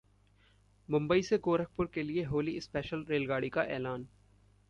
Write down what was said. मुंबई से गोरखपुर के लिए होली स्पेशल रेलगाड़ी का ऐलान